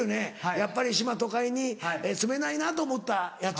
「やっぱり島・都会に住めないな」と思ったやつ。